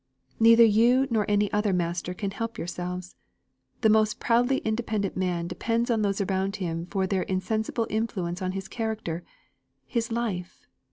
Neither you nor any other master can help yourselves. The most proudly independent man depends on those around him for their insensible influence on his character his life.